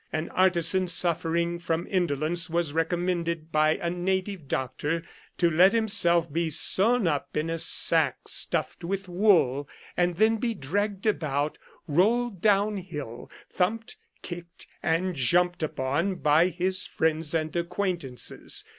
An artisan suffering from indolence was recommended by a native doctor to let himself be sewn up in a sack stuffed with wool, and then be dragged about, rolled down hill, thumped, kicked, and jumped upon by his friends and acquaintances.